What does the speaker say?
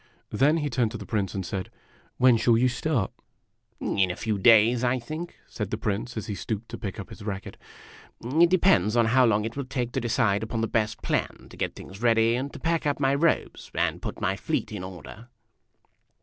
Then he turned to the Prince and said, "When shall you start?" " In a few days, I think," said the Prince, as he stooped to pick up his racket. "It depends on how long it will take to decide upon the best plan, to get things ready, and to pack up my robes, and put my fleet in order."